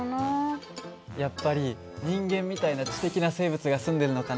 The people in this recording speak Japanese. やっぱり人間みたいな知的な生物が住んでるのかな。